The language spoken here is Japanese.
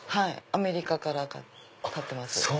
アメリカから買ってます。